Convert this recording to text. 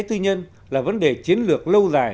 tư nhân là vấn đề chiến lược lâu dài